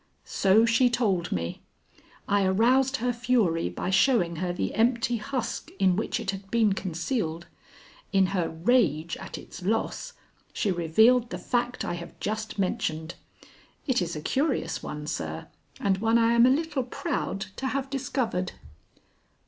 "So she told me. I aroused her fury by showing her the empty husk in which it had been concealed. In her rage at its loss, she revealed the fact I have just mentioned. It is a curious one, sir, and one I am a little proud to have discovered."